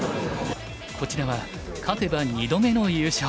こちらは勝てば２度目の優勝。